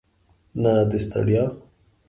نه د ستړیا.